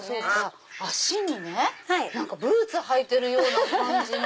足にブーツ履いてるような感じ。